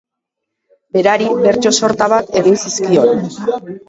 Berari bertso sorta bat egin zizkion.